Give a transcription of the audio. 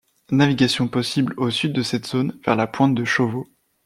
Navigation possible au sud de cette zone vers la pointe de Chauveau.